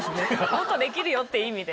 「もっとできるよ」って意味で。